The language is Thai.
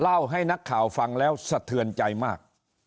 เล่าให้นักข่าวฟังแล้วสะเทือนใจมาก